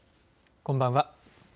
こんばんは。